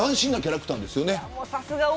斬新なキャラクターですよね。